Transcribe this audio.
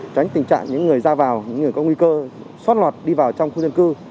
tránh tình trạng những người ra vào những người có nguy cơ xót lọt đi vào trong khu dân cư